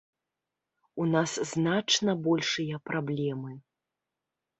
У нас значна большыя праблемы.